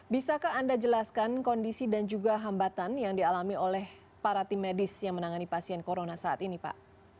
bisakah anda jelaskan kondisi dan juga hambatan yang dialami oleh para tim medis yang menangani pasien corona saat ini pak